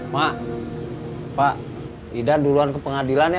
mak pak idan duluan ke pengadilan ya